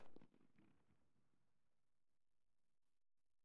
বাসন্তী এমন একটি প্রাচীর যা মানুষের অন্যায় কাজগুলির বিরুদ্ধে লড়াই করে।